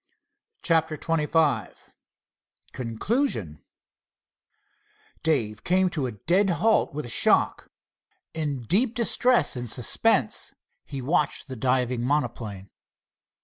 CHAPTER XXV CONCLUSION Dave came to a dead halt with a shock. In deep distress and suspense he watched the diving monoplane.